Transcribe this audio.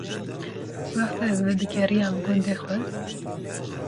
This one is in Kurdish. Wexta ez vedigeriyam gundê xwe